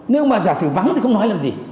nếu mà giả sử vắng thì không nói làm gì